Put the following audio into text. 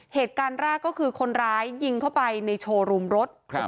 เหตุการณ์แรกก็คือคนร้ายยิงเข้าไปในโชว์รูมรถ